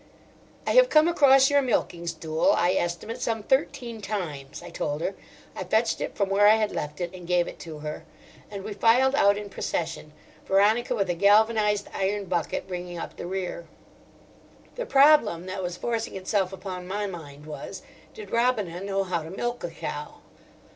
"I have come across your milking stool, I estimate, some thirteen times," I told her. I fetched it from where I had left it, and gave it to her; and we filed out in procession; Veronica with a galvanised iron bucket bringing up the rear. The problem that was forcing itself upon my mind was: did Robina know how to milk a cow?